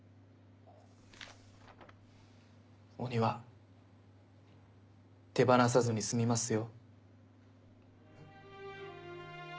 お庭手放さずに済みますよ。